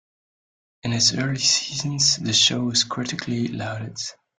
In its early seasons, the show was critically lauded.